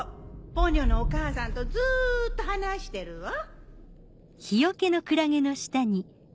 ポニョのお母さんとずっと話してるわ。